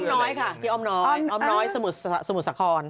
อ้อมน้อยค่ะที่อ้อมน้อยอ้อมน้อยสมุทรสาขน